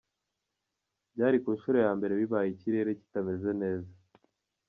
Byari ku inshuro yambere bibaye ikirere kitameze neza.